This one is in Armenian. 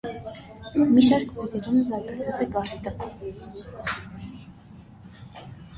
Մի շարք վայրերում զարգացած է կարստը։